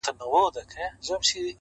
ما خو گيله ترې په دې په ټپه کي وکړه ـ